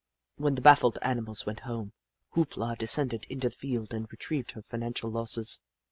When the bafifled animals went home, Hoop La descended into the field and retrieved her financial losses.